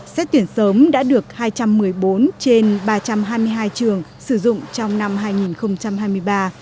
xét tuyển sớm đã được hai trăm một mươi bốn trên ba trăm hai mươi hai trường sử dụng trong năm hai nghìn hai mươi ba